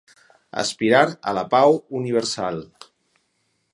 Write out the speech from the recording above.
Aspirar a la pau universal.